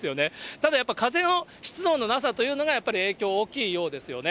ただやっぱ風の湿度のなさというのが、やっぱり影響大きいようですよね。